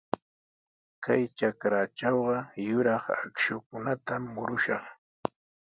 Kay trakratrawqa yuraq akshutami murushaq.